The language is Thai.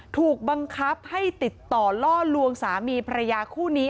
ถูกบังคับให้ติดต่อล่อลวงสามีพระยาคู่นี้